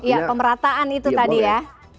ya pemerataan itu tadi ya